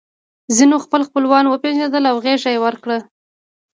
ځینو خپل خپلوان وپېژندل او غېږه یې ورکړه